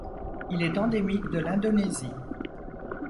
Il est endémique de l'Indonésie.